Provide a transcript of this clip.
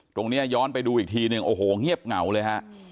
ตรงนี้ย้อนไปดูอีกทีนึงโอ้โหะเหี้ยบเหงาเลย